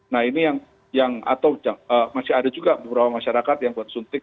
nah ini yang atau masih ada juga beberapa masyarakat yang buat suntik